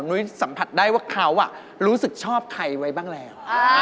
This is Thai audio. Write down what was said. นุ้ยสัมผัสได้ว่าเขารู้สึกชอบใครไว้บ้างแล้ว